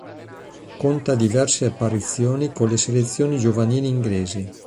Conta diverse apparizioni con le selezioni giovanili inglesi.